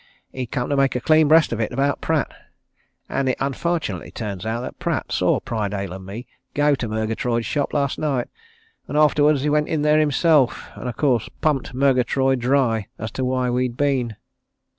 He'd come to make a clean breast of it about Pratt. And it unfortunately turns out that Pratt saw Prydale and me go to Murgatroyd's shop last night, and afterwards went in there himself, and of course pumped Murgatroyd dry as to why we'd been."